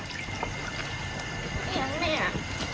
แค่เห็นสัตว์